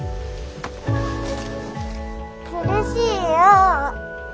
苦しいよう。